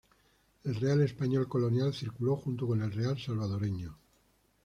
El real español colonial circuló junto con el real salvadoreño.